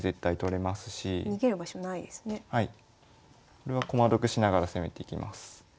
これは駒得しながら攻めていきます。